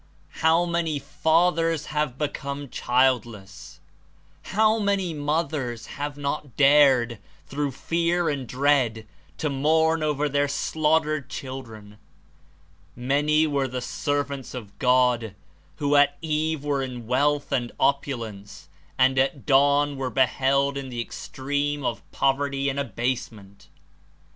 How many fathers have become childless ! How many mothers have not dared, through fear and dread, to mourn over their slaughtered children ! Many were the servants (of God) who at eve were in wealth and opulence and at dawn were beheld in the extreme of poverty and abasement !